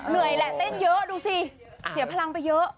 เหนื่อยแหละเต้นเยอะดูสิเสียพลังไปเยอะ